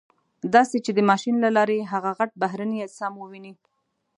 داسې چې د ماشین له لارې هغه غټ بهرني اجسام وویني.